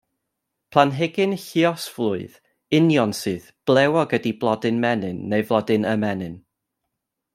Planhigyn lluosflwydd, unionsyth, blewog ydy blodyn menyn neu flodyn ymenyn.